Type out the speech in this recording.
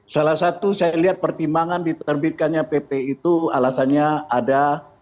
salah satu saya lihat pertimbangan diterbitkannya pp itu alasannya ada